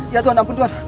ya tuhan ampun tuhan